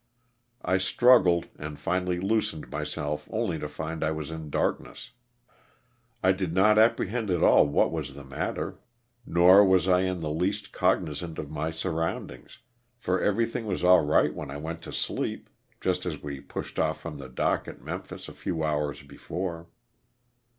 I struggled and finally loosened myself only to find I was in darkness. I did not apprehend at all what was the matter, nor was I in the least cognizant of my surroundings, for everything was all right when I went to sleep (just as we pushed off from the dock at Memphis a few hours before).